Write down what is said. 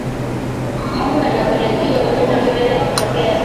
Mambo yanayopelekea ugonjwa wa kiwele kutokea